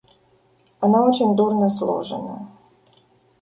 Она очень дурно сложена...